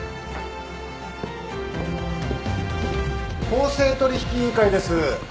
公正取引委員会です。